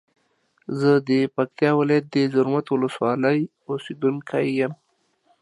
زه د پکتیا ولایت د زرمت ولسوالی اوسیدونکی یم.